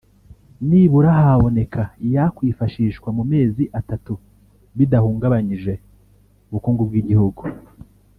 nibura haboneka iyakwifashishwa mu mezi atatu bidahungabanyije ubukungu bw’igihugu